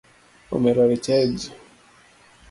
Omera we chayo ji.